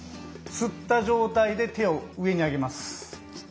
吸った状態で手を上に上げます。